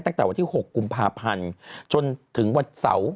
ตั้งแต่วันที่๖กุมภาพันธ์จนถึงวันเสาร์